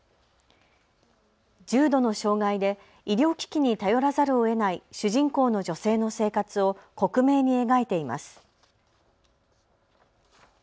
重度の障害で医療機器に頼らざるをえない主人公の女性の生活を克明に描いています。